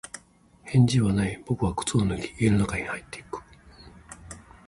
返事はない。僕は靴を脱ぎ、家の中に入っていく。